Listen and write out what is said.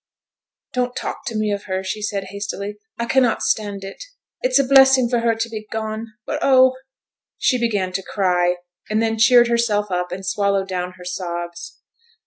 'Don't talk to me of her,' she said hastily. 'I cannot stand it. It's a blessing for her to be gone, but, oh ' She began to cry, and then cheered herself up, and swallowed down her sobs.